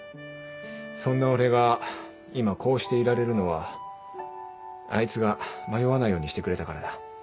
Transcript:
そんな俺が今こうしていられるのはあいつが迷わないようにしてくれたからだ。